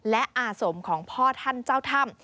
และอาสมของพ่อท่านเจ้าถ้ำ